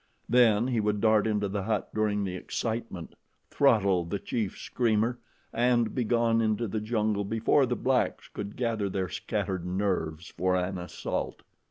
Then he would dart into the hut during the excitement, throttle the chief screamer, and be gone into the jungle before the blacks could gather their scattered nerves for an assault.